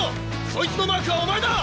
そいつのマークはお前だ！